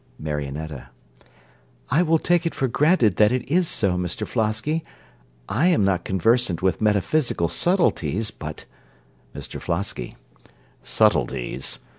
MARIONETTA I will take it for granted that it is so, Mr Flosky; I am not conversant with metaphysical subtleties, but MR FLOSKY Subtleties!